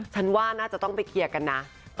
ฉันว่าน่าจะต้องไปเคลียร์กันนะ